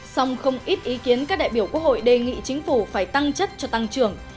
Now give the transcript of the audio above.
song không ít ý kiến các đại biểu quốc hội đề nghị chính phủ phải tăng chất cho tăng trưởng